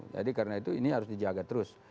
jadi karena itu ini harus dijaga terus